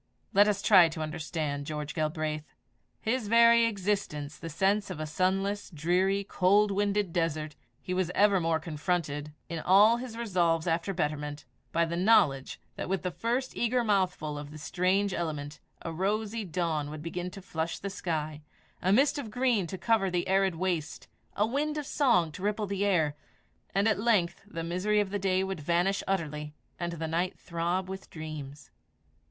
Let us try to understand George Galbraith. His very existence the sense of a sunless, dreary, cold winded desert, he was evermore confronted, in all his resolves after betterment, by the knowledge that with the first eager mouthful of the strange element, a rosy dawn would begin to flush the sky, a mist of green to cover the arid waste, a wind of song to ripple the air, and at length the misery of the day would vanish utterly, and the night throb with dreams.